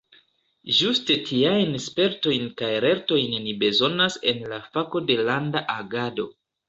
Ĝuste tiajn spertojn kaj lertojn ni bezonas en la fako de Landa Agado!